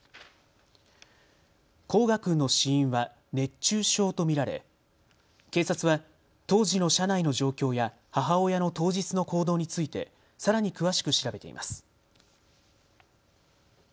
煌翔君の死因は熱中症と見られ警察は当時の車内の状況や母親の当日の行動についてさらに詳しく調べています。